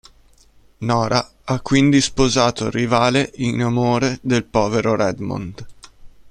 Nora ha quindi sposato il rivale in amore del povero Redmond.